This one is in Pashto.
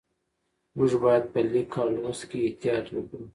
موږ باید په لیک او لوست کې احتیاط وکړو